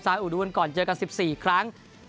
ซ้ายอู๋ดูกันก่อนเจอกัน๑๔ครั้ง